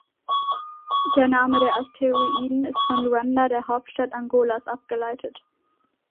Der Name des Asteroiden ist von Luanda, der Hauptstadt Angolas abgeleitet.